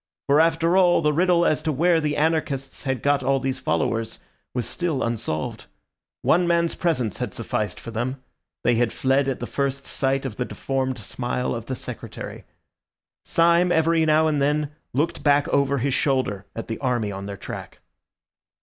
For, after all, the riddle as to where the anarchists had got all these followers was still unsolved. One man's presence had sufficed for them; they had fled at the first sight of the deformed smile of the Secretary. Syme every now and then looked back over his shoulder at the army on their track.